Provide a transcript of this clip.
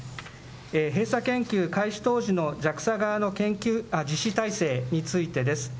閉鎖研究開始当時のＪＡＸＡ側の実施体制についてです。